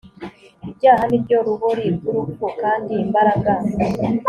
Ibyaha ni byo rubori rw urupfu kandi imbaraga